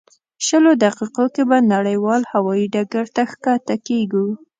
شلو دقیقو کې به نړیوال هوایي ډګر ته ښکته کېږو.